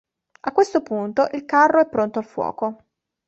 A questo punto il carro è pronto al fuoco.